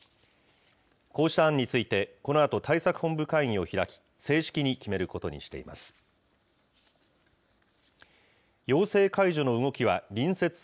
こうした案について、このあと対策本部会議を開き、正式に決めることにしています。